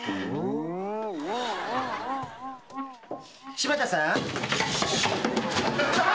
柴田さん？